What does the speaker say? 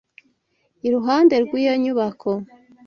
Iruhande rwiyo nyubako